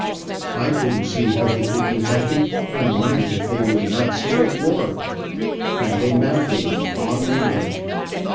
I couldn t see how they could be happy, and wondered if they were not sick of war. Then they mounted, and on we went.